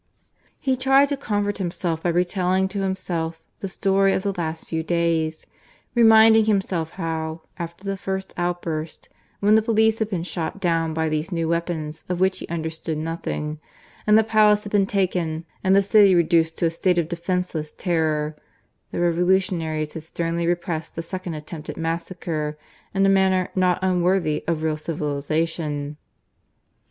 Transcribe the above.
He tried to comfort himself by retelling to himself the story of the last few days; reminding himself how, after the first outburst, when the police had been shot down by these new weapons of which he understood nothing, and the palace had been taken, and the city reduced to a state of defenceless terror the revolutionaries had sternly repressed the second attempted massacre in a manner not unworthy of real civilization.